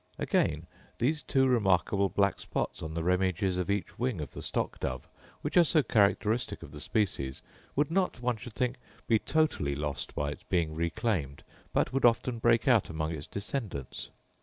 Again, these two remarkable black spots on the remiges of each wing of the stock dove, which are so characteristic of the species, would not, one should think, be totally lost by its being reclaimed; but would often break out among its descendants.